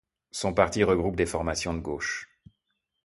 Son parti regroupe des formations de gauche.